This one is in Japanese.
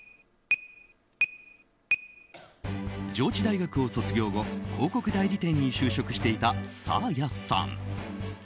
上智大学を卒業後広告代理店に就職していたサーヤさん。